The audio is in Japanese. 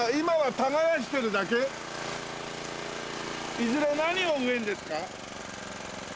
いずれ何を植えるんですか？